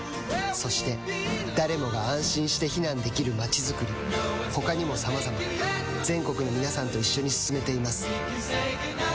そして誰もが安心して避難できる街づくり他にもさまざま全国の皆さんと一緒に進めています